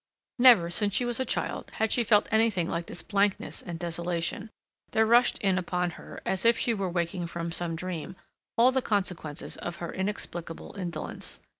Never, since she was a child, had she felt anything like this blankness and desolation. There rushed in upon her, as if she were waking from some dream, all the consequences of her inexplicable indolence.